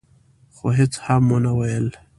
خو هغه هيڅ هم ونه ويل.